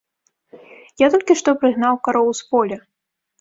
Я толькі што прыгнаў кароў з поля.